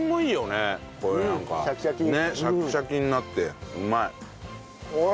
ねっシャキシャキになってうまい。